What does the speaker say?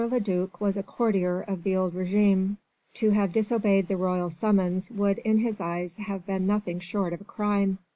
le duc was a courtier of the old régime: to have disobeyed the royal summons would in his eyes have been nothing short of a crime.